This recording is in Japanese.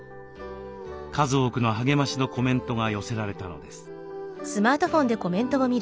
数多くの励ましのコメントが寄せられたのです。